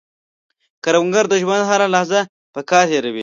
کروندګر د ژوند هره لحظه په کار تېروي